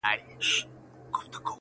په دې ښار كي داسي ډېر به لېونيان وي--!